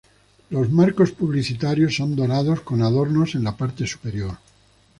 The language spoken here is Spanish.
Los marcos publicitarios son dorados con adornos en la parte superior.